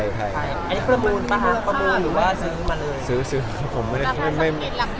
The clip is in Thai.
ไอ้ขบูนประหลาดขบูนหรือซื้อมาเลย